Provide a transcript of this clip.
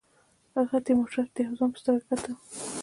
هغه تیمورشاه ته د یوه ځوان په سترګه کتل.